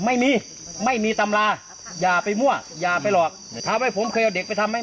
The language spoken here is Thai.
ไม่มีไม่มีตำราอย่าไปมั่วอย่าไปหลอกถามว่าผมเคยเอาเด็กไปทำไหม